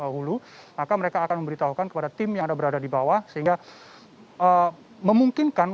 hulu maka mereka akan memberitahukan kepada tim yang ada berada di bawah sehingga memungkinkan